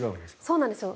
そうなんですよ。